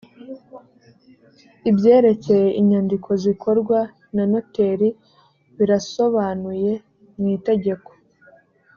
ibyerekeye inyandiko zikorwa na noteri birasobanuye mu itegeko